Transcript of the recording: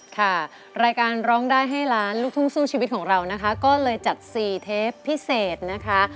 ค่ะรายการร้องได้ให้ล้านลูกทุ่งสู้ชีวิตของเรานะคะก็เลยจัด๔เทปพิเศษนะคะ